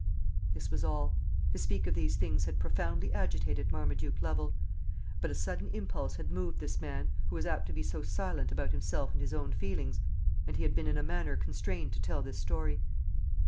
This was all. To speak of these things had profoundly agitated Marmaduke Lovel; but a sudden impulse had moved this man, who was apt to be so silent about himself and his own feelings, and he had been in a manner constrained to tell this story.